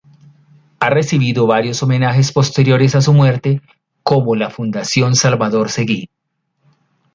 Ha recibido varios homenajes posteriores a su muerte, como la Fundación Salvador Seguí.